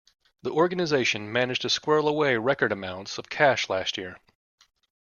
The organisation managed to squirrel away record amounts of cash last year.